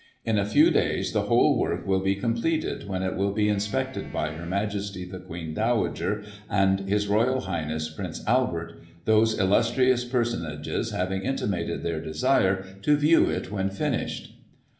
In a few days the whole work will be completed, when it will be inspected by Her Majesty, the Queen Dowager, and His Royal Highness Prince Albert, those illustrious personages having intimated their desire to view it when finished."